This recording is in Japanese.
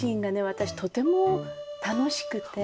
私とても楽しくて。